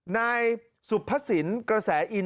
นายสุพศิลป์กระแสอิน